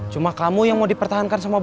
cuma kamu yang mau dipertahankan sama bapak